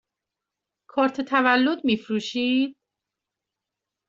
کارت تولد می فروشید؟